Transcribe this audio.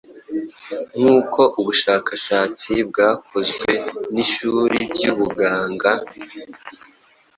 Nkuko ubushakashatsi bwakozwe n’ishuri ry’ubuganga